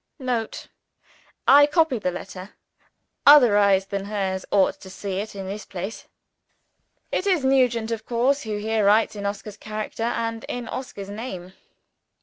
[Note. I copy the letter. Other eyes than hers ought to see it in this place. It is Nugent, of course, who here writes in Oscar's character and in Oscar's name.